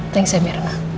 thanks ya mirna